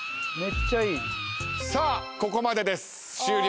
さあここまでです。